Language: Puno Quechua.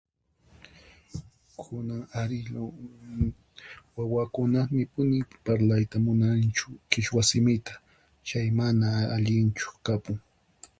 kunan ari [ lum ] wawakuna, nipuni parlayta munanchu qhichwa simita chay mana allinchu kapun.